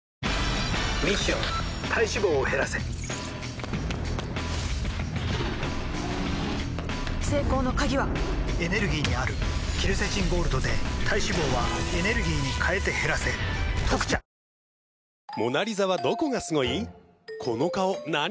ミッション体脂肪を減らせ成功の鍵はエネルギーにあるケルセチンゴールドで体脂肪はエネルギーに変えて減らせ「特茶」・肌キレイだよね。